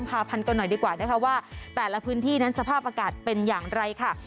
พาพันธุ์กันหน่อยดีกว่านะคะว่าแต่ละพื้นที่นั้นสภาพอากาศเป็นอย่างไรค่ะ